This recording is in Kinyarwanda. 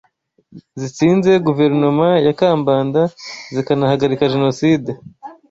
zitsinze Guverinoma ya Kambanda zikanahagarika Jenoside